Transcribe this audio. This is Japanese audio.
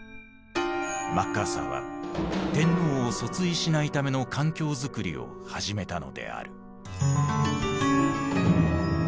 マッカーサーは天皇を訴追しないための環境づくりを始めたのである。